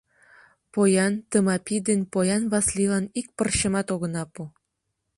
Поян Тымапий ден поян Васлийлан ик пырчымат огына пу.